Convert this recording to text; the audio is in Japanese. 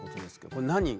これ何？